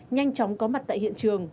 nhanh chóng có mặt tại hiện trường